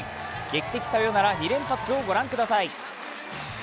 劇的サヨナラ２連発をご覧ください